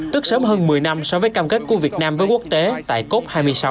tức sớm hơn một mươi năm so với cam kết của việt nam với quốc tế tại cop hai mươi sáu